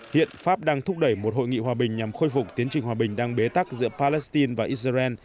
hiện pháp đang thúc đẩy một hội nghị hòa bình nhằm khôi phục tiến trình hòa bình đang bế tắc giữa palestine và israel